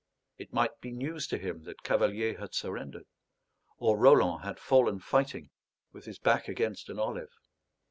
It might be news to him that Cavalier had surrendered, or Roland had fallen fighting with his back against an olive.